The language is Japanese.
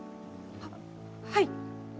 はっはい。